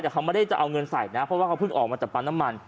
แต่เขาไม่ได้จะเอาเงินใส่นะเพราะว่าเขาเพิ่งออกมาจากปั๊มน้ำมัน